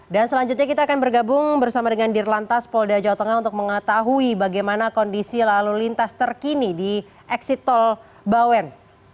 dan selanjutnya kita akan bergabung bersama dengan dirlantas polda jateng untuk mengetahui bagaimana kondisi lalu lintas terkini di eksit tol bawen